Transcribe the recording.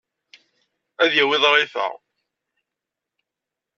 Ad d-yawi ḍrifa.